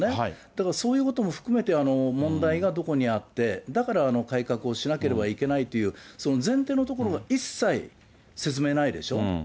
だからそういうことも含めて、問題がどこにあって、だから改革をしなければいけないという、その前提のところが一切説明ないでしょ。